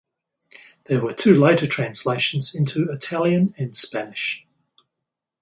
There were two later translations into Italian and Spanish.